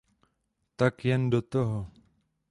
Tak jen do toho!